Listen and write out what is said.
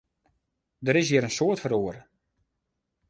Der is hjir in soad feroare.